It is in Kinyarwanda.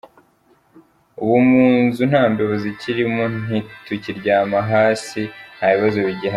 Ubu mu nzu nta mbeba zikirimo, ntitukiryama hasi, nta bibazo bigihari.